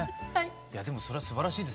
いやでもそれはすばらしいですね。